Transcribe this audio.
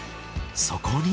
そこに。